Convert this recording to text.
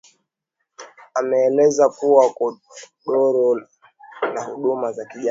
ameelezea kuwa kudorora kwa huduma za kijamii